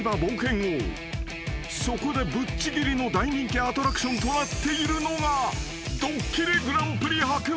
［そこでぶっちぎりの大人気アトラクションとなっているのが］